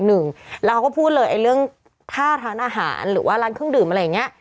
แล้วเขาก็พูดเลยไอ้เรื่องท่าร้านอาหารหรือว่าร้านเครื่องดื่มอะไรอย่างนี้